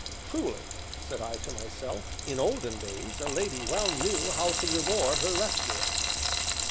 "Truly," said I to myself, "in olden days a lady well knew how to reward her rescuer!"